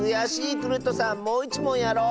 クルットさんもういちもんやろう！